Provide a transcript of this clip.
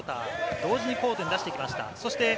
同時にコートに出してきました。